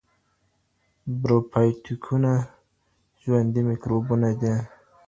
پروبایوتیکونه ژوندۍ میکروبونه دي.